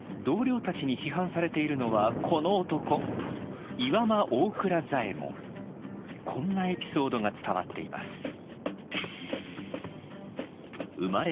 同僚たちに批判されているのはこの男こんなエピソードが伝わっています。